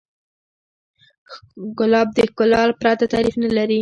ګلاب د ښکلا پرته تعریف نه لري.